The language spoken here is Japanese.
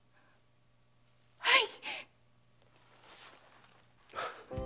はい！